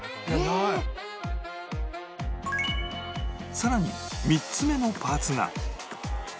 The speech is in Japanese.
さらに３つ目のパーツが